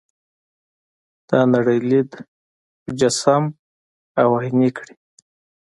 دا نړۍ لید مجسم او عیني کړي.